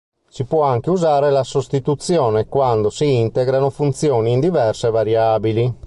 Si può anche usare la sostituzione quando si integrano funzioni in diverse variabili.